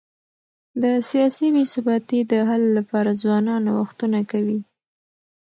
د سیاسي بي ثباتی د حل لپاره ځوانان نوښتونه کوي.